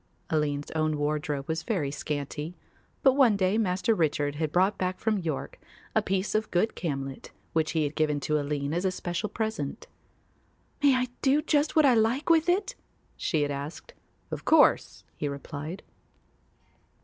Aline's own wardrobe was very scanty, but one day Master Richard had brought back from York a piece of good camlet which he had given to Aline as a special present. "May I do just what I like with it?" she had asked. "Of course," he replied.